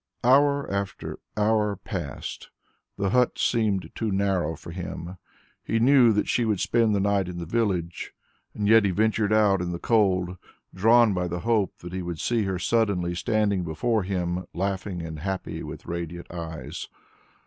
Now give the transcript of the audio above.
Hour after hour passed. The hut seemed too narrow for him. He knew that she would spend the night in the village, and yet he ventured out in the cold, drawn by the hope that he would see her suddenly standing before him laughing and happy with radiant eyes.